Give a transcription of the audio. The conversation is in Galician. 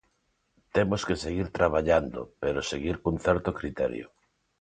Temos que seguir traballando, pero seguir cun certo criterio.